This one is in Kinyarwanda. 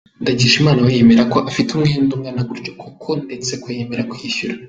Ndagijimana we yemera ko afite umwenda ungana gutyo koko ndetse ko yemera kwishyura.